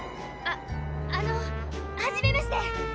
あのはじめまして。